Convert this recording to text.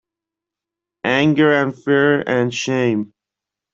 Anger, and fear, and shame.